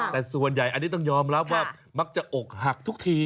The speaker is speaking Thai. แต่ส่วนใหญ่อันนี้ต้องยอมรับว่ามักจะอกหักทุกที